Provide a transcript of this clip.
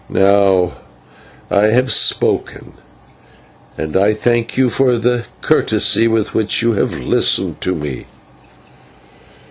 Now I have spoken, and I thank you for the courtesy with which you have listened to me."